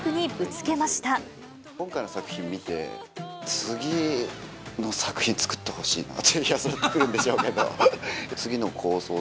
今回の作品見て、次の作品作ってほしいなという、そりゃ次、作るんでしょうけど。